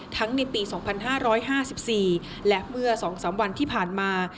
ในปี๒๕๕๔และเมื่อ๒๓วันที่ผ่านมา